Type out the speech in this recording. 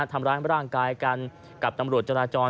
ทำร้ายร่างกายกันกับตำรวจจราจร